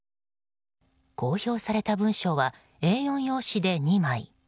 公表された文書はＡ４用紙で２枚。